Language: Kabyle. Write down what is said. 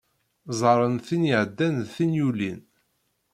Ẓẓaren tin iɛeddan d tin yulin.